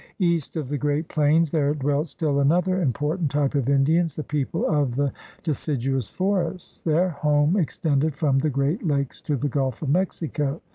East of the Great Plains there dwelt still another important type of Indians, the people of the decid uous forests. Their home extended from the Great Lakes to the Gulf of Mexico.